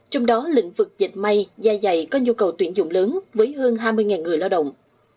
trong đó lĩnh vực dịch may da dày có nhu cầu tuyển dụng lớn với hơn hai mươi người lao động